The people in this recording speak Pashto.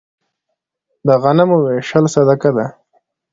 د غنمو ویشل صدقه ده.